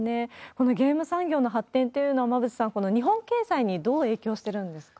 このゲーム産業の発展っていうのは、馬渕さん、この日本経済にどう影響してるんですか？